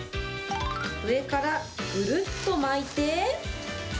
上からぐるっと巻いて。